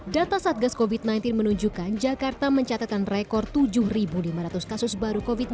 data satgas covid sembilan belas menunjukkan jakarta mencatatkan rekor tujuh lima ratus kasus baru covid sembilan belas pada dua ribu sembilan belas